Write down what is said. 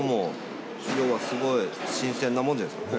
要はすごい新鮮なものじゃないですか。